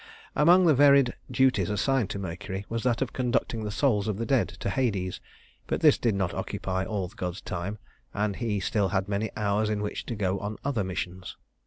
Among the varied duties assigned to Mercury was that of conducting the souls of the dead to Hades; but this did not occupy all the god's time, and he still had many hours in which to go on other missions.